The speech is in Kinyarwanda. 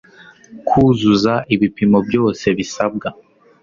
Kuzuza ibipimo byose bisabwa